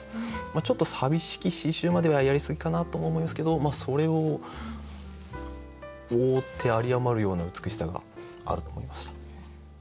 ちょっと「淋しき詩集」まではやりすぎかなとも思いますけどそれを覆って有り余るような美しさがあると思いました。